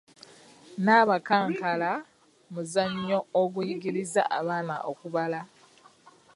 Nabankakaala muzannyo oguyigiriza abaana okubala.